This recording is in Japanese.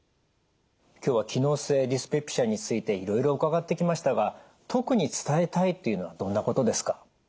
今日は機能性ディスペプシアについていろいろ伺ってきましたが特に伝えたいというのはどんなことですか？